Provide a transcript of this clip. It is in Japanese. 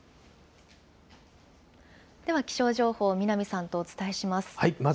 では気象情報、南さんとお伝えします。